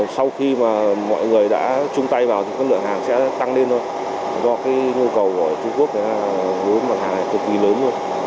sau khi mọi người đã chung tay vào lượng hàng sẽ tăng lên do nhu cầu của trung quốc lượng hàng cực kỳ lớn